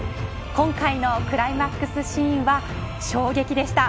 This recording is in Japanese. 今回のクライマックスシーンは衝撃でした。